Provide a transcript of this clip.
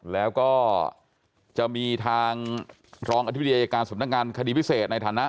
แล้วก็จะมีทางรองอธิบดีอายการสำนักงานคดีพิเศษในฐานะ